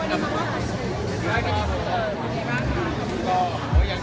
อ้าวไปเลย